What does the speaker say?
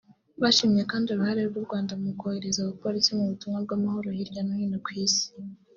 Bashimye kandi uruhare rw’u Rwanda mu kohereza abapolisi mu butumwa bw’amahoro hirya no hino ku Isi